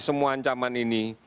semua ancaman ini